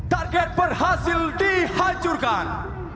target berhasil dihancurkan